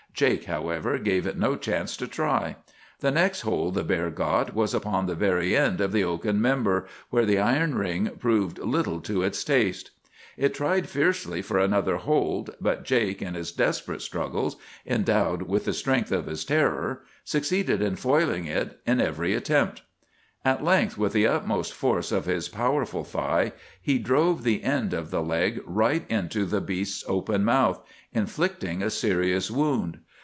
Jake, however, gave it no chance to try. The next hold the bear got was upon the very end of the oaken member, where the iron ring proved little to its taste. It tried fiercely for another hold; but Jake in his desperate struggles, endowed with the strength of his terror, succeeded in foiling it in every attempt. At length, with the utmost force of his powerful thigh, he drove the end of the leg right into the beast's open mouth, inflicting a serious wound.